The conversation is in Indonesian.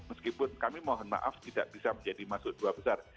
meskipun kami mohon maaf tidak bisa menjadi masuk dua besar